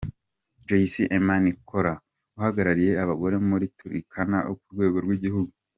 Joyce Emanikor uhagarariye abagore bo muri Turkana ku rwego rw’igihugu.